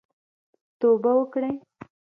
توبه وکړئ